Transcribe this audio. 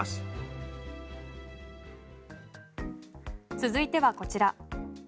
続いてはこちら。